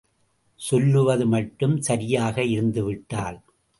சொல்லுவது மட்டும் சரியாக இருந்துவிட்டால்...?